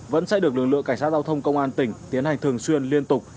vẫn sẽ được lực lượng cảnh sát giao thông công an tỉnh tiến hành thường xuyên liên tục